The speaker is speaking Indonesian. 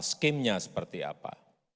skemnya seperti apa